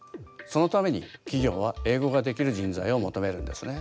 そのために企業は英語ができる人材を求めるんですね。